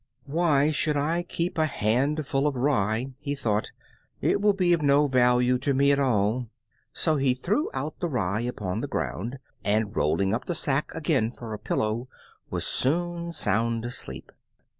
"Why should I keep a handful of rye?" he thought, "It will be of no value to me at all." So he threw out the rye upon the ground, and rolling up the sack again for a pillow, was soon sound asleep.